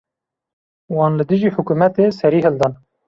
Wan li dijî hikûmetê serî hildan.